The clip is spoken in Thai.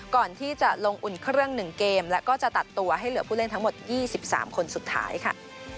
ก่อนที่จะลงอุ่นเครื่อง๑เกมแล้วก็จะตัดตัวให้เหลือผู้เล่นทั้งหมด๒๓คนสุดท้ายค่ะ